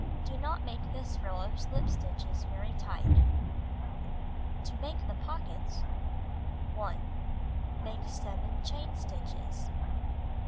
Do not make this row of slip stitches very tight. To Make the Pockets 1. Make 7 chain stitches.